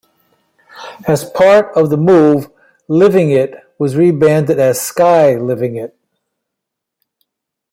As part of the move Livingit was rebranded as Sky Livingit.